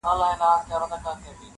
ورور په وینو لمبولی نښانه د شجاعت وي -